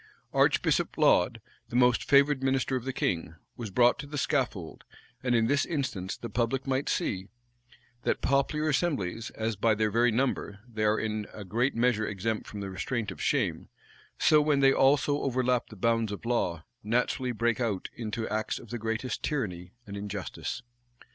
Archbishop Laud, the most favored minister of the king, was brought to the scaffold; and in this instance the public might see, that popular assemblies, as, by their very number, they are in a great measure exempt from the restraint of shame, so when they also overleap the bounds of law, naturally break out into acts of the greatest tyranny and injustice.